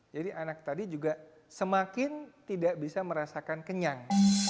jadi anak tadi juga semakin tidak bisa merasakan kenyang